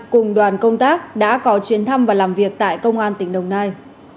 cùng đoàn công tác đã có chuyến thăm và làm việc tại công an tỉnh đồng nai